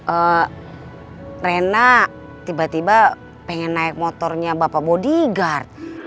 eh rena tiba tiba pengen naik motornya bapak bodyguard